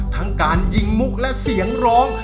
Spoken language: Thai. ทั้งการยิงมุกและเสียงร้อง